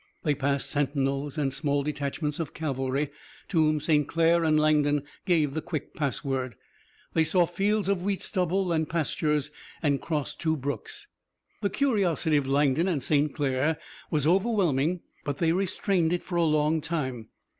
They passed sentinels and small detachments of cavalry, to whom St. Clair and Langdon gave the quick password. They saw fields of wheat stubble and pastures and crossed two brooks. The curiosity of Langdon and St. Clair was overwhelming but they restrained it for a long time.